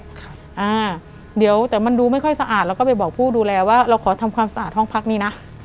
ครับอ่าเดี๋ยวแต่มันดูไม่ค่อยสะอาดแล้วก็ไปบอกผู้ดูแลว่าเราขอทำความสะอาดห้องพักนี้นะ